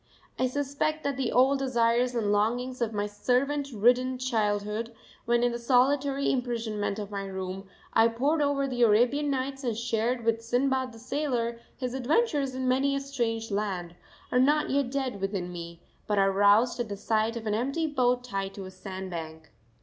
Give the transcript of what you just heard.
I suspect that the old desires and longings of my servant ridden childhood when in the solitary imprisonment of my room I pored over the Arabian Nights, and shared with Sinbad the Sailor his adventures in many a strange land are not yet dead within me, but are roused at the sight of any empty boat tied to a sand bank.